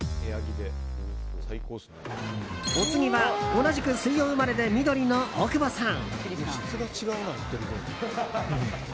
お次は、同じく水曜生まれで緑の大久保さん。